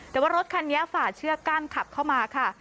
แต่ว่ารถคันนี้ฝ่าเชือกกั้นขับเข้ามาค่ะ